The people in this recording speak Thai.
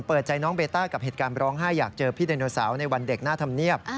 เปิดใจน้องเบต้ากับเหตุการณ์ร้องไห้อยากเจอพี่ไดโนเสาร์ในวันเด็กหน้าธรรมเนียบ